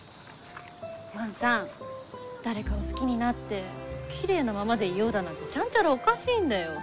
万さん誰かを好きになってきれいなままでいようだなんてちゃんちゃらおかしいんだよ。